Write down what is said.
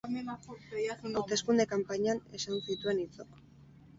Hauteskunde kanpainan esan zituen hitzok.